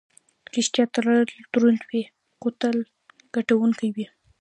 ریښتیا تل دروند وي، خو تل ګټونکی وي.